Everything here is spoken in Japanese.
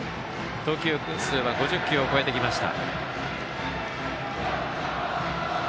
投球数は５０球を超えてきました。